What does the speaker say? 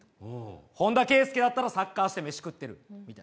本田圭佑だったらサッカーしてメシ食ってる。